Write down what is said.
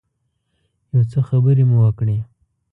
یو څه خبرې مو وکړې.